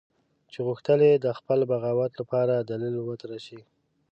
چې غوښتل یې د خپل بغاوت لپاره دلیل وتراشي.